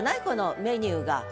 このメニューが。